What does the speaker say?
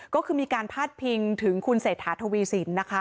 ก็คือมีการพาดพิงถึงคุณเศรษฐาทวีสินนะคะ